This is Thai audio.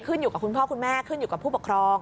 อยู่กับคุณพ่อคุณแม่ขึ้นอยู่กับผู้ปกครอง